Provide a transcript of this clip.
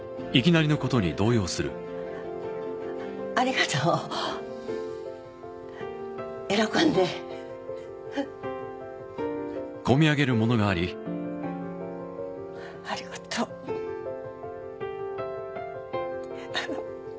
ありがとう喜んでふふっありがとうふふっ